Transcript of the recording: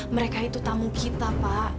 mereka itu tamu kita pak